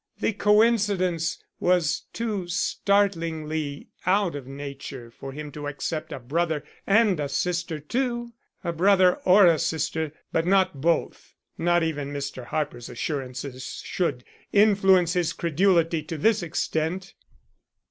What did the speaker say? The coincidence was too startlingly out of nature for him to accept a brother and a sister too. A brother or a sister; but not both. Not even Mr. Harper's assurances should influence his credulity to this extent.